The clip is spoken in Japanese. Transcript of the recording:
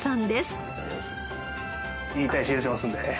いい鯛仕入れてますんで。